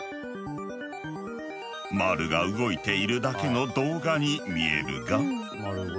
丸が動いているだけの動画に見えるが。